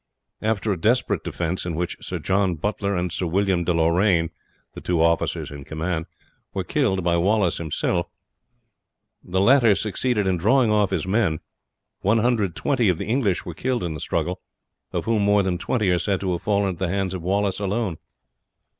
After a desperate defence, in which Sir John Butler and Sir William de Loraine, the two officers in command, were killed by Wallace himself, the latter succeeded in drawing off his men; 120 of the English were killed in the struggle, of whom more than twenty are said to have fallen at the hands of Wallace alone.